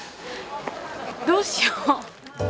どうしよう。